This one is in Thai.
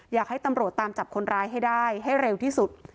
อยากให้ตำรวจตามจับคนร้ายให้ได้ให้เร็วที่สุด